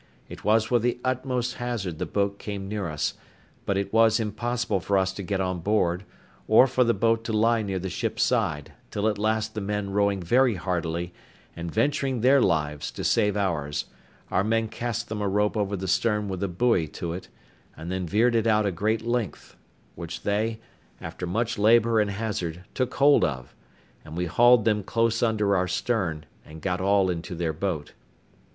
It was with the utmost hazard the boat came near us; but it was impossible for us to get on board, or for the boat to lie near the ship's side, till at last the men rowing very heartily, and venturing their lives to save ours, our men cast them a rope over the stern with a buoy to it, and then veered it out a great length, which they, after much labour and hazard, took hold of, and we hauled them close under our stern, and got all into their boat.